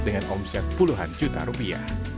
dengan omset puluhan juta rupiah